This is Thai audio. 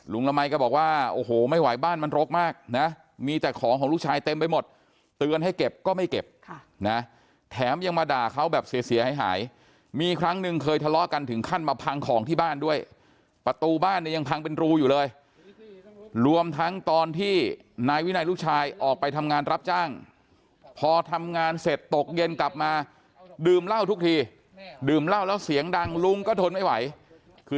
ละมัยก็บอกว่าโอ้โหไม่ไหวบ้านมันรกมากนะมีแต่ของของลูกชายเต็มไปหมดเตือนให้เก็บก็ไม่เก็บนะแถมยังมาด่าเขาแบบเสียหายหายมีครั้งหนึ่งเคยทะเลาะกันถึงขั้นมาพังของที่บ้านด้วยประตูบ้านเนี่ยยังพังเป็นรูอยู่เลยรวมทั้งตอนที่นายวินัยลูกชายออกไปทำงานรับจ้างพอทำงานเสร็จตกเย็นกลับมาดื่มเหล้าทุกทีดื่มเหล้าแล้วเสียงดังลุงก็ทนไม่ไหวคือ